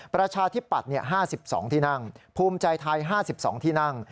ประชาธิปัตย์๕๒ที่นั่งภูมิใจไทย๕๒ที่นั่ง